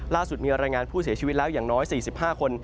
ล่าสุดมีรายงานผู้เสียชีวิตแล้วอย่างน้อย๔๕คน